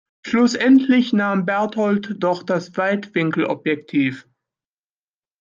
Schlussendlich nahm Bertold doch das Weitwinkelobjektiv.